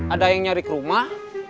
ada yang nyari kerumah